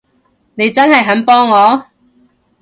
你真係肯幫我？